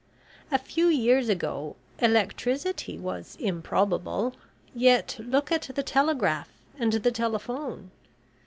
A few years ago electricity was improbable, yet look at the telegraph and the telephone.